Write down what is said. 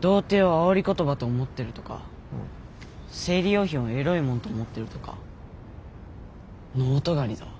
童貞をあおり言葉と思ってるとか生理用品をエロいもんと思ってるとかノー尖りだわ。